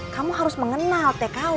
kamu harus mengenal tkw